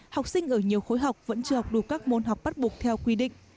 học sinh ở nhiều khối học vẫn chưa học đủ các môn học bắt buộc theo quy định